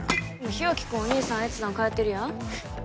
日沖君お兄さん越山通ってるやん